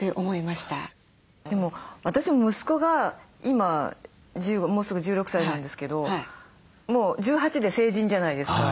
でも私も息子が今１５もうすぐ１６歳なんですけどもう１８で成人じゃないですか。